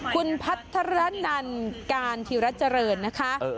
คุณพัฒระนันการธิรเจริญนะคะ